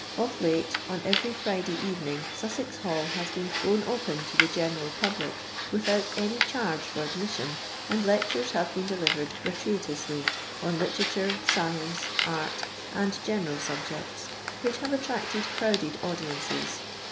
Of late, on every Friday evening, Sussex hall has been thrown open to the general public, without any charge for ad mission, and lectures have been delivered gra tuitously, on literature, science, art, and general subj'. cts, which have attracted crowded audiences.